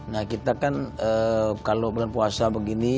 nah kita kan kalau bulan puasa begini